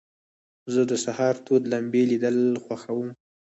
زه د سهار تود لمبې لیدل خوښوم.